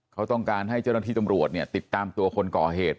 เขาต้องการให้เจ้าหน้าที่ตำรวจเนี่ยติดตามตัวคนก่อเหตุ